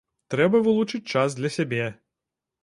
Трэба вылучыць час для сябе.